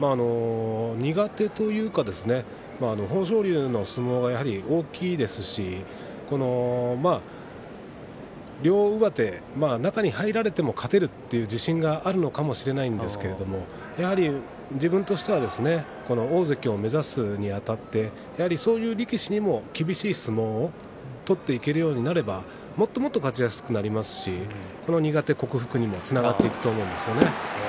苦手というか豊昇龍の相撲が大きいですし両上手、中に入られても勝てるという自信があるのかもしれないのですが自分としては大関を目指すにあたってやはり、そういう力士にも厳しい相撲を取っていけるようになればもっともっと勝ちやすくなりますし苦手克服にもつながっていくと思います。